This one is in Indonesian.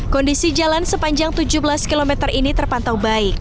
kondisi jalan sepanjang tujuh belas kilometer ini terpaksa diperlambatkan